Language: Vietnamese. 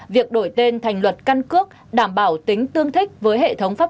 việc đổi tên thành luật căn cước đảm bảo tính tương thích với hệ thống pháp